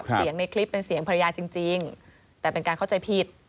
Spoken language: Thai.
ในคลิปเป็นเสียงภรรยาจริงแต่เป็นการเข้าใจผิด